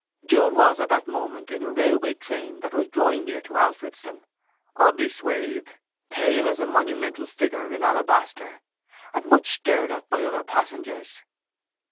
Jude was at that moment in a railway train that was drawing near to Alfredston, oddly swathed, pale as a monumental figure in alabaster, and much stared at by other passengers.